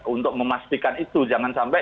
untuk memastikan itu jangan sampai